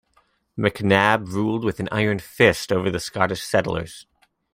McNab ruled with an iron fist over the Scottish settlers.